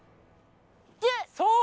そう！